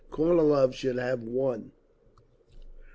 Kornilov should have won…."